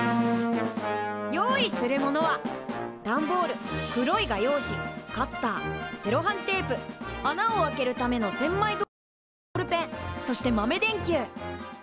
用意するものは段ボール黒い画用紙カッターセロハンテープ穴を開けるための千枚通しとかボールペンそして豆電球。